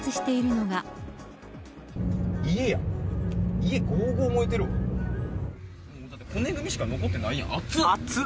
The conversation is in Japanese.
だって、骨組みしか残ってないやん。